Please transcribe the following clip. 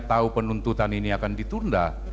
tahu penuntutan ini akan ditunda